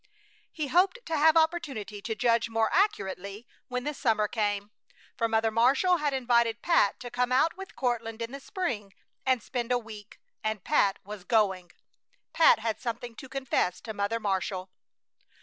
He hoped to have opportunity to judge more accurately when the summer came, for Mother Marshall had invited Pat to come out with Courtland in the spring and spend a week, and Pat was going. Pat had something to confess to Mother Marshall.